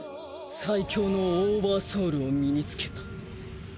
最強のオーバーソウルを身につけた。